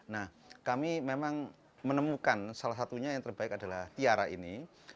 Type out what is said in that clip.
nah kami memang menemukan salah satunya yang terbaik adalah tiara ini